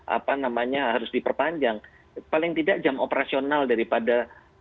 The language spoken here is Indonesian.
apa namanya harus diperpanjang paling tidak jam operasional daripada